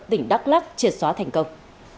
tỉnh đắk lắc triệt xóa thành công